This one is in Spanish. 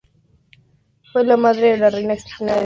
Fue la madre de la reina Cristina de Suecia.